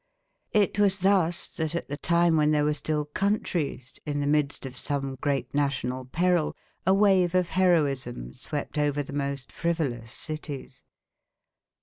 It was thus that, at the time when there were still countries, in the midst of some great national peril, a wave of heroism swept over the most frivolous cities.